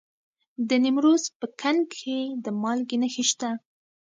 د نیمروز په کنگ کې د مالګې نښې شته.